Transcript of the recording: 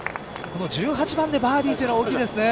１８番でバーディーというのは大きいですね。